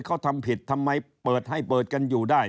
เขาทำผิดทำไมเปิดให้เปิดกันอยู่ได้